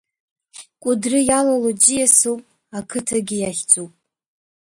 Кәыдры иалало ӡиасуп, ақыҭагьы иахьӡуп.